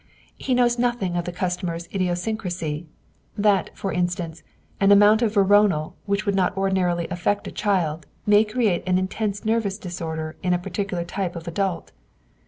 He knows nothing of the customer's idiosyncrasy; that, for instance, an amount of veronal which would not ordinarily affect a child may create an intense nervous disorder in a particular type of adult.